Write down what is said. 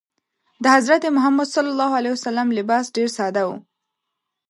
د حضرت محمد ﷺ لباس ډېر ساده و.